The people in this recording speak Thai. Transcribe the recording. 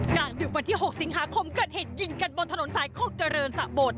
กลางดึกวันที่๖สิงหาคมเกิดเหตุยิงกันบนถนนสายโคกเจริญสะบด